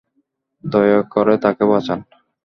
দয়া করে তাকে বাঁচান।